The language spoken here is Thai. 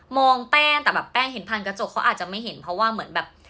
แป้งแต่แบบแป้งเห็นผ่านกระจกเขาอาจจะไม่เห็นเพราะว่าเหมือนแบบ